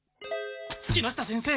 木下先生